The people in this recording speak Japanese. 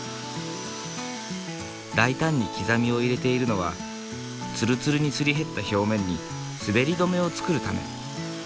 大胆に刻みを入れているのはつるつるにすり減った表面に滑り止めを作るため。